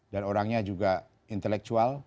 dan orangnya juga intellectual